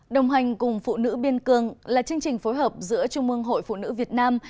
đồng hành cùng phụ nữ biên cương là chương trình phối hợp giữa trung mương hội phụ nữ việt nam